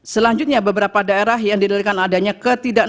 selanjutnya beberapa daerah yang didalilkan adanya ketidakpun